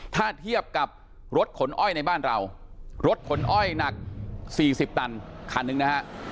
ถ้าเทียบกับรถขนอ้อยในบ้านเรารถขนอ้อยหนัก๔๐ตันคันหนึ่งนะฮะ